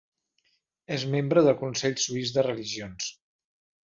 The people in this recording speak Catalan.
És membre del Consell Suís de Religions.